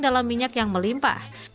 dalam minyak yang melimpah